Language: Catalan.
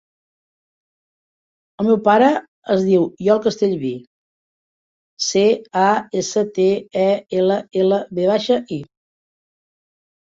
El meu pare es diu Iol Castellvi: ce, a, essa, te, e, ela, ela, ve baixa, i.